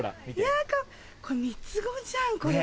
いや三つ子じゃんこれ。